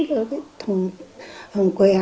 rồi cái thùng quẻ